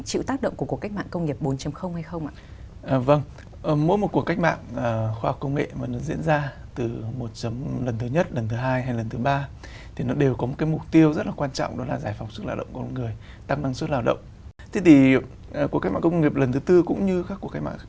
thế thì cuộc cách mạng công nghiệp lần thứ tư cũng như các cuộc cách mạng khác